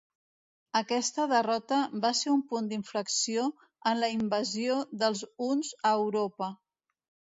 Aquesta derrota va ser un punt d'inflexió en la invasió dels huns a Europa.